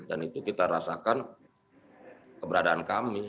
dan itu kita rasakan keberadaan kami